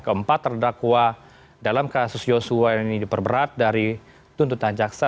keempat terdakwa dalam kasus yosua ini diperberat dari tuntutan jaksa